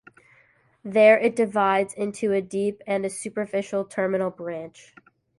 There it divides into a deep and a superficial terminal branch.